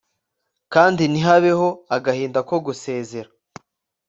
Kandi ntihabeho agahinda ko gusezera